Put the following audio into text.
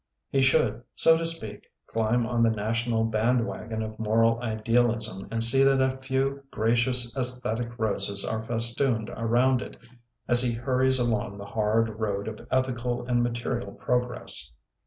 He should, so to speak, climb on the national band wagon of moral idealism and see that a few grsr cious aesthetic roses are festooned around it as it hurries along the hard road of ethical and material progress.